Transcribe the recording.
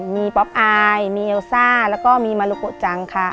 มีป๊อปอายมีเอลซ่าแล้วก็มีมารุโกะจังค่ะ